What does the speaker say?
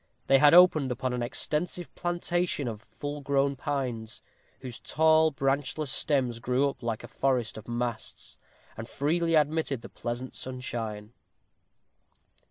They had opened upon an extensive plantation of full grown pines, whose tall, branchless stems grew up like a forest of masts, and freely admitted the pleasant sunshine.